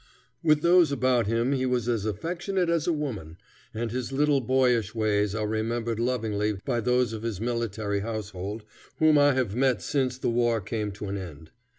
With those about him he was as affectionate as a woman, and his little boyish ways are remembered lovingly by those of his military household whom I have met since the war came to an end.